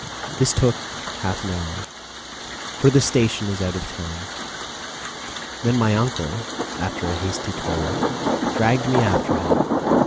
This took half an hour, for the station is out of the town. Then my uncle, after a hasty toilet, dragged me after him.